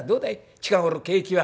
近頃景気は」。